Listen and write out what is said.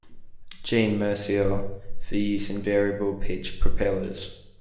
Jean Mercier, for use in variable-pitch propellers.